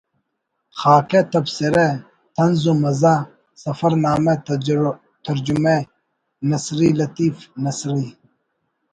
خاکہ ، تبصرہ ، طنز ومزاح ، سفر نامہ، ترجمہ ، نثری لطیف (نثری